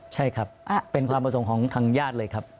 ใช่ครับเป็นความประสงค์ของทางญาติเลยครับ